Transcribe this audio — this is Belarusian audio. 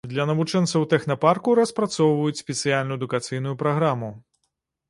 Для навучэнцаў тэхнапарку распрацоўваюць спецыяльную адукацыйную праграму.